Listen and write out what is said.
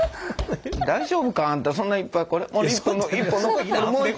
大丈夫かあんたそんないっぱい。